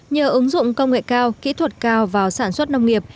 nhờ ứng dụng công nghệ cao kỹ thuật cao vào sản xuất nông nghiệp